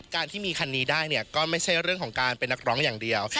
การที่มีคันนี้ได้เนี่ยก็ไม่ใช่เรื่องของการเป็นนักร้องอย่างเดียว